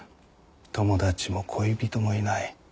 友達も恋人もいない。